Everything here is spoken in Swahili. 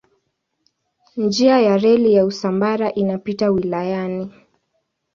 Njia ya reli ya Usambara inapita wilayani.